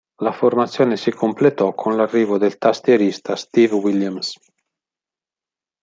La formazione si completò con l'arrivo del tastierista Steve Williams.